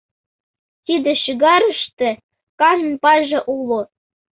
Тиде шӱгарыште кажнын пайже уло.